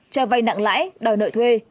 cho vay nặng lãi đòi nợ thuê